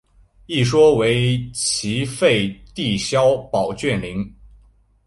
一说为齐废帝萧宝卷陵。